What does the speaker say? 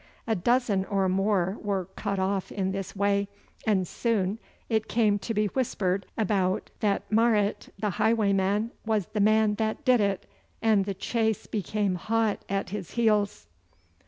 A dozen or more were cut off in this way, and soon it came to be whispered about that Marot the highwayman was the man that did it, and the chase became hot at his heels.